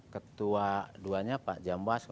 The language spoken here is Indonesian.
ketua duanya pak jam was